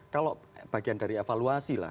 kalau bagian dari evaluasi lah